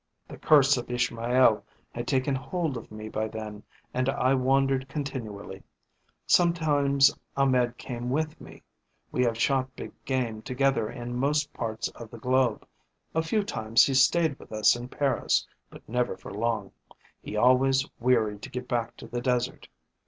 "The curse of Ishmael had taken hold of me by then and I wandered continually. Sometimes Ahmed came with me; we have shot big game together in most parts of the globe. A few times he stayed with us in Paris, but never for long; he always wearied to get back to the desert.